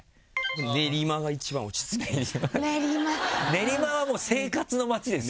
練馬はもう生活の街ですよね。